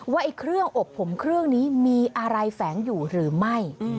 ว่าเครื่องอบผมเครื่องนี้มีอะไรแฝงอยู่หรือไม่